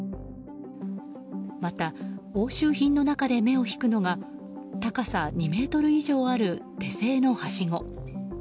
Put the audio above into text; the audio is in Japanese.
また、押収品の中で目を引くのが高さ２ｍ以上ある、手製のはしご。